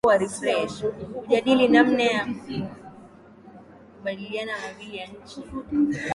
kujadili namna ya kukabiliana mabadiliko ya tabia nchi